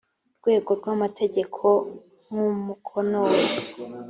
rwego rw amategeko nk umukono we